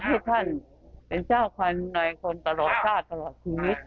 ขอให้ท่านเป็นเจ้าควัญนายควัญประโหลชาติก็แล้ว